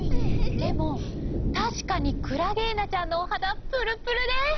でも確かにクラゲーナちゃんのお肌プルプルで。